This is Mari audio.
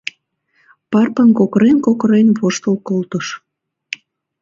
— Парпон кокырен-кокырен воштыл колтыш.